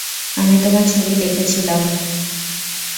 আমি তোমার ছবি দেখেছিলাম।